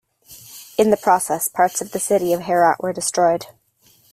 In the process, parts of the city of Herat were destroyed.